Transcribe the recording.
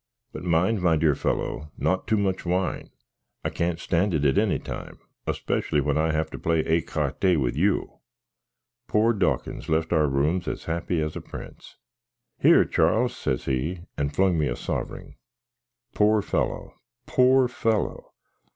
But mind, my dear fello, not too much wine: I can't stand it at any time, especially when I have to play écarté with you." Pore Dawkins left our rooms as happy as a prins. "Here, Charles," says he, and flung me a sovring. Pore fellow! pore fellow!